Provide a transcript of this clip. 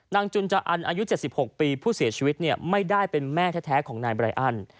จุนจอันอายุ๗๖ปีผู้เสียชีวิตไม่ได้เป็นแม่แท้ของนายไรอัน